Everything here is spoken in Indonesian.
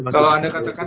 kalau anda katakan